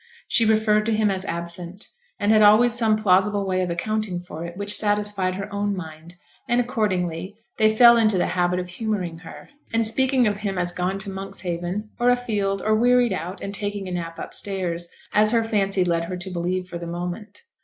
She referred to him as absent, and had always some plausible way of accounting for it, which satisfied her own mind; and, accordingly they fell into the habit of humouring her, and speaking of him as gone to Monkshaven, or afield, or wearied out, and taking a nap upstairs, as her fancy led her to believe for the moment.